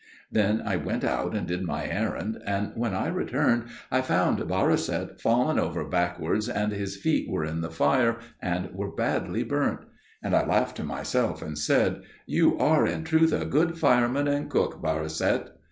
Then I went out and did my errand, and when I returned I found Barisat fallen over backwards, and his feet were in the fire and were badly burnt; and I laughed to myself and said, "You are in truth a good fireman and cook, Barisat."